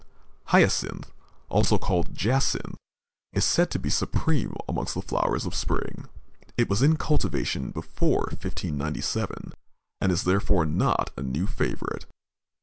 _ Hyacinth, also called Jacinth, is said to be "supreme amongst the flowers of spring." It was in cultivation before 1597, and is therefore not a new favorite.